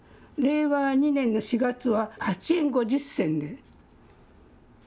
令和２年の４月は８円５０銭で。